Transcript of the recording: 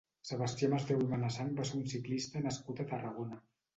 Sebastià Masdeu i Menasanch va ser un ciclista nascut a Tarragona.